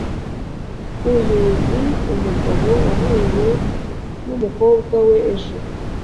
uyu ni umugabo wahuye numukobwa we ejo